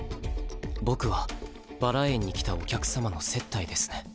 僕はバラ園に来たお客様の接待ですね。